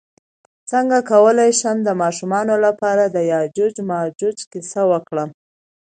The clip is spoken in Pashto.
څنګه کولی شم د ماشومانو لپاره د یاجوج ماجوج کیسه وکړم